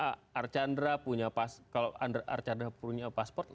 kalau archandra punya pasport